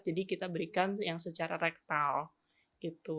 kita berikan yang secara rektal gitu